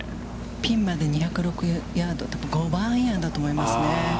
ピンまで２０６ヤード、５番アイアンだと思いますね。